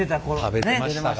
食べてましたから。